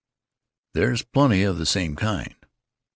There's plenty of the same kind.